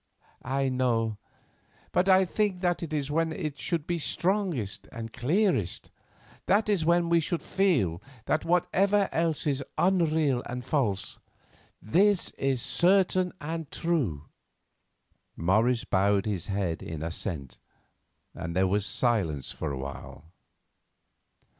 "I know; but I think that is when it should be strongest and clearest, that is when we should feel that whatever else is unreal and false, this is certain and true." Morris bowed his head in assent, and there was silence for a while.